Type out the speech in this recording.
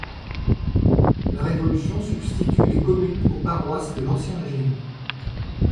La Révolution substitue les communes aux paroisses de l'Ancien Régime.